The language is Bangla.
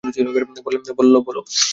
বললে, বলো।